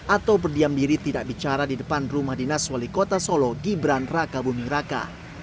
atau berdiam diri tidak bicara di depan rumah dinas wali kota solo gibran raka buming raka